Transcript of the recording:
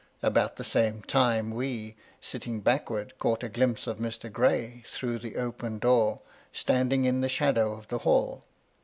About the same time we, sitting back wards, caught a glimpse of Mr. Gray through the open door, standing in the shadow of the hall.